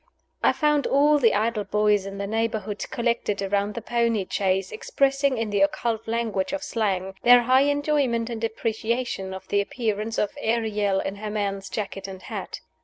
I FOUND all the idle boys in the neighborhood collected around the pony chaise, expressing, in the occult language of slang, their high enjoyment and appreciation at the appearance of "Ariel" in her man's jacket and hat.